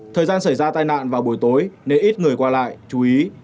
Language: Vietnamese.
thời gian xảy ra tai nạn vào buổi tối nên ít người qua lại chú ý